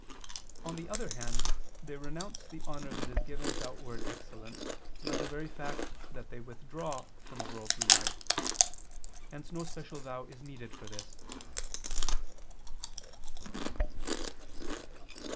On the other hand, they renounce the honor that is given to outward excellence, by the very fact that they withdraw from a worldly life: hence no special vow is needed for this.